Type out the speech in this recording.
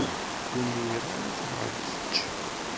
Ur nwiɣ ara tebɣa ad tečč.